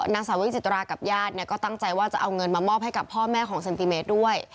นางสาวิจิตรากับญาติเนี่ยก็ตั้งใจว่าจะเอาเงินมามอบให้กับพ่อแม่ของเซนติเมตรด้วย